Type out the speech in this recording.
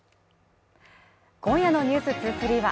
今夜の「ｎｅｗｓ２３」は